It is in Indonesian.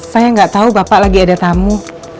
saya gak tau bapak lagi ada tamu